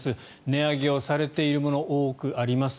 値上げをされているもの多くあります。